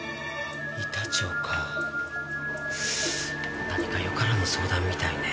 板長か何かよからぬ相談みたいね